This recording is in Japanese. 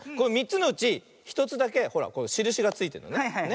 ３つのうち１つだけほらしるしがついてるのね。